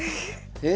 え？